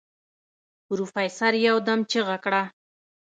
پروفيسر يودم چيغه کړه.